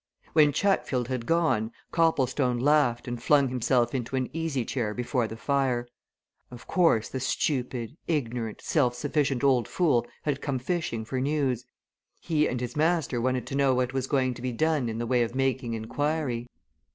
When Chatfield had gone, Copplestone laughed and flung himself into an easy chair before the fire. Of course, the stupid, ignorant, self sufficient old fool had come fishing for news he and his master wanted to know what was going to be done in the way of making inquiry.